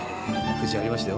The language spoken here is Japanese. ふじありましたよ